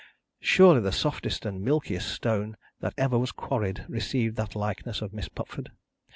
Surely the softest and milkiest stone that ever was quarried, received that likeness of Miss Pupford!